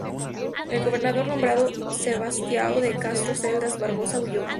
El gobernador nombrado, Sebastião de Castro Caldas Barbosa, huyó.